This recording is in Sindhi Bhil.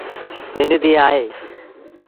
ننڊ ڌيٚ آئي۔ ا